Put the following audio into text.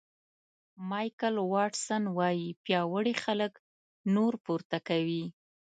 مایکل واټسن وایي پیاوړي خلک نور پورته کوي.